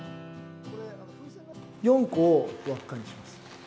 ４個を輪っかにします。